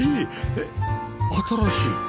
えっ新しい？